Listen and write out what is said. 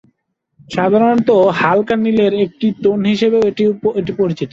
সাধারণত হালকা নীলের একটি টোন হিসেবেও এটি পরিচিত।